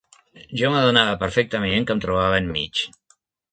Jo m'adonava perfectament que em trobava enmig